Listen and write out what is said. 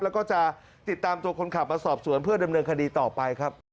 แล้วก็จะติดตามตัวคนขับมาสอบสวนเพื่อดำเนินคดีต่อไปครับ